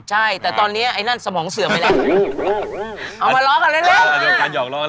ใช่แต่ตอนนี้ไอ้นั่นสมองเสื่อไหมหละ